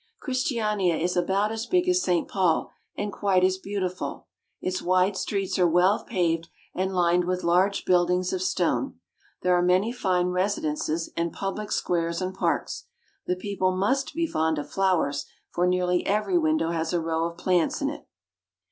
Christiania is about as big as St. Paul and quite as beauti ful. Its wide streets are well paved, and lined with large buildings of stone. There are many fine residences and public squares and parks. The people must be fond of flowers, for nearly every window has a row of plants in it.